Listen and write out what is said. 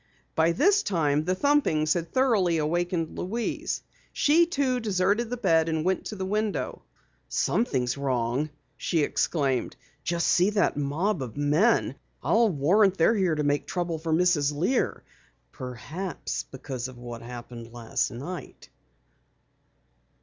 By this time the thumpings had thoroughly awakened Louise. She too deserted the bed and went to the window. "Something's wrong!" she exclaimed. "Just see that mob of men! I'll warrant they're here to make trouble for Mrs. Lear perhaps because of what happened last night!"